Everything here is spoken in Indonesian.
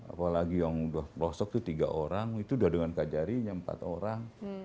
apalagi yang rosok itu tiga orang itu sudah dengan kajarinya empat orang